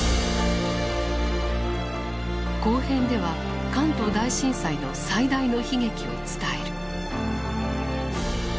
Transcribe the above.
後編では関東大震災の最大の悲劇を伝える。